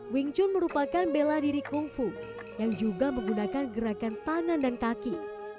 wing chun merupakan bela diri kungfu yang juga menggunakan gerakan tangan dan kaki